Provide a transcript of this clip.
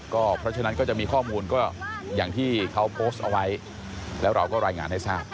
เพราะฉะนั้นก็จะมีข้อมูลก็อย่างที่เขาโพสต์เอาไว้แล้วเราก็รายงานให้ทราบ